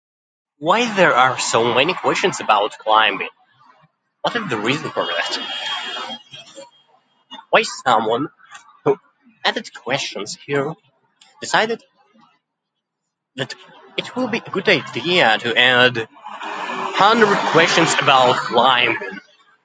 Why there are so many questions about climate? What is the reason for that? Why someone who added questions here decided that it will be a good idea to add hundred questions about climate?